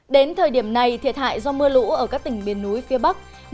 đến thời điểm này thiệt hại do mưa lũ ở các tỉnh miền núi phía bắc